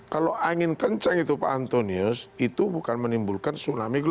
kalau angin kencang itu pak antonius